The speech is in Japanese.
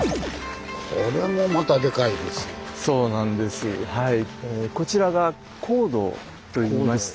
そうなんですはい。